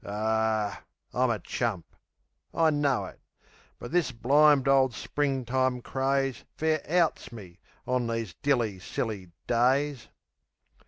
Aw, I'm a chump! I know it; but this blimed ole Springtime craze Fair outs me, on these dilly, silly days.